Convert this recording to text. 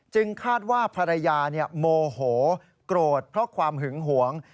คาดว่าภรรยาโมโหโกรธเพราะความหึงหวง